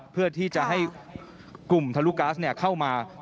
เพื่อที่จะให้กลุ่มทะลุก๊าซเข้ามา